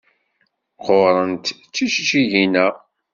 Qqurent tjeǧǧigin-a.